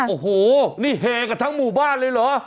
โอ้โหนี่เฮกันทั้งหมู่บ้านเลยเหรอ